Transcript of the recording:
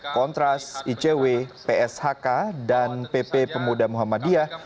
kontras icw pshk dan pp pemuda muhammadiyah